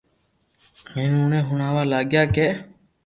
ھين اوني ھڻاوا لاگيا ڪي